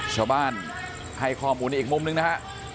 ชาวบ้านให้ข้อมูลอีกมุมหนึ่งนะฮะ